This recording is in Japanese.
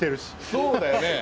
そうだよね。